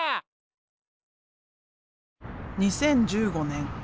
２０１５年